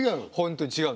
違う？